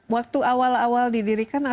waktu awal awal didirikan